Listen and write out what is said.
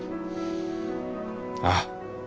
ああ。